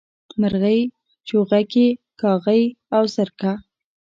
مرغۍ، چوغکي کاغۍ او زرکه